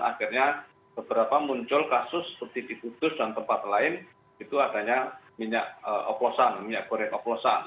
akhirnya beberapa muncul kasus seperti di kudus dan tempat lain itu adanya minyak oplosan minyak goreng oplosan